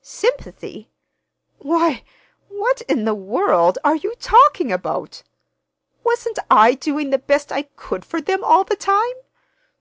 Sympathy! Why, what in the world are you talking about? Wasn't I doing the best I could for them all the time?